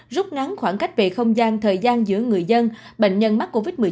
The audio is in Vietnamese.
rút ngắn khoảng cách về không gian thời gian giữa người dân bệnh nhân mắc covid một mươi chín